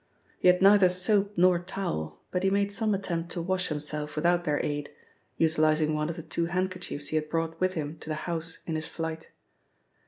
He had neither soap nor towel, but he made some attempt to wash himself without their aid, utilising one of the two handkerchiefs he had brought with him to the house in his flight.